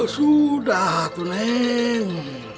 sudah tuh neng